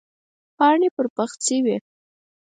پاڼې پر پخڅې وې.